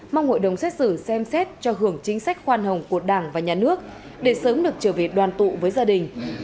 mong hội đồng xét xử xem xét cho hưởng chính sách khoan hồng của đảng và nhà nước để sớm được trở về đoàn tụ với gia đình